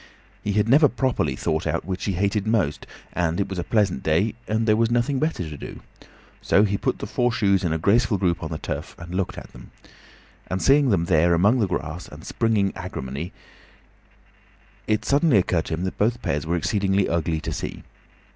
He had never properly thought out which he hated most, and it was a pleasant day, and there was nothing better to do. So he put the four shoes in a graceful group on the turf and looked at them. And seeing them there among the grass and springing agrimony, it suddenly occurred to him that both pairs were exceedingly ugly to see.